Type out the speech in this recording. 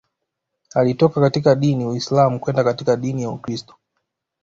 Alitoka katika dini Uislam kwenda katika dini ya Ukristo